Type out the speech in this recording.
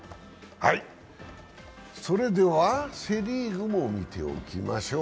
それではセ・リーグも見ておきましょう。